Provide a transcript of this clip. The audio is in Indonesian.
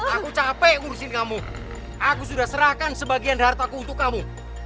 aku capek ngurusin kamu aku sudah serahkan sebagian hartaku untuk kamu